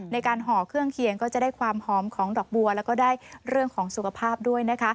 ห่อเครื่องเคียงก็จะได้ความหอมของดอกบัวแล้วก็ได้เรื่องของสุขภาพด้วยนะคะ